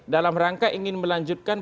dalam rangka ingin melanjutkan